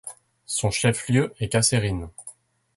Son chef-lieu est Kasserine.